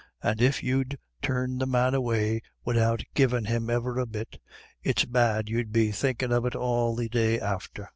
And if you'd turned the man away widout givin' him e'er a bit, it's bad you'd be thinkin' of it all the day after."